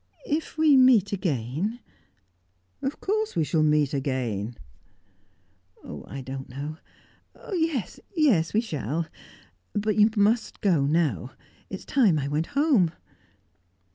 If we meet again " "Of course we shall meet again!" "I don't know. Yes, yes; we shall. But you must go now; it is time I went home."